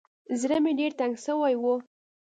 زړه مې ډېر تنګ سوى و.